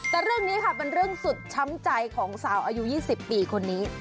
แต่เรื่องนี้ค่ะเป็นเรื่องสุดช้ำใจของสาวอายุ๒๐ปีคนนี้